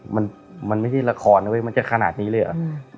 มันมันไม่ใช่ละครนะเว้ยมันจะขนาดนี้เลยเหรอ